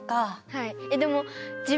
はい。